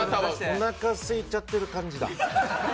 おなかすいちゃってる感じだ。